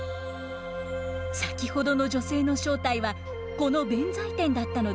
先ほどの女性の正体はこの弁財天だったのです。